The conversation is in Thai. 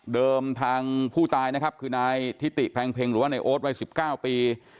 ทางผู้ตายนะครับคือนายทิติแพงเพ็งหรือว่าในโอ๊ตวัย๑๙ปี